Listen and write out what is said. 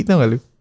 tau gak lu